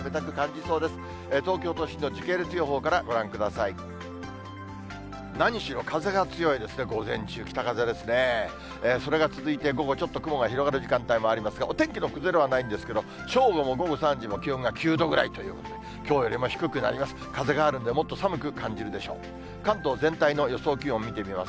それが続いて、午後ちょっと雲が広がる時間もありますが、お天気の崩れはないんですけど、正午も午後３時も気温が９度ぐらいということで、きょうよりも低くなります。